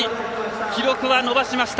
記録は伸ばしました。